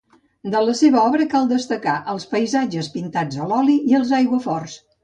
De la seva obra cal destacar els paisatges pintats a l'oli i els aiguaforts.